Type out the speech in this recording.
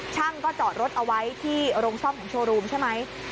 ช่างก็จอดรถเอาไว้ที่โรงซ่อมของโชว์รูมใช่ไหม